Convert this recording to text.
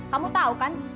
kamu tahu kan